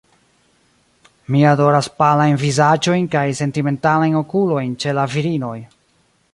Mi adoras palajn vizaĝojn kaj sentimentalajn okulojn ĉe la virinoj.